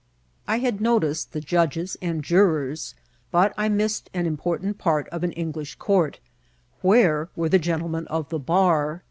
I had noticed the judges and jurors, but I missed aj;i important part of an English court. Where were the gentlemen of the bar